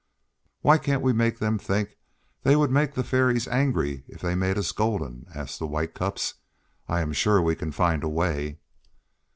"Why can't we make them think they would make the Fairies angry if they made us golden?" asked the White Cups; "I am sure we can find a way."